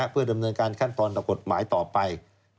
เพื่อดำเนินการขั้นตอนต่อกฎหมายต่อไป